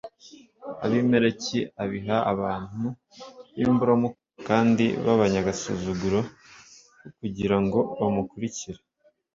Abimeleki abiha abantu b imburamukoro kandi b abanyagasuzuguro h kugira ngo bamukurikire